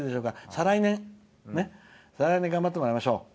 再来年ね頑張ってもらいましょう。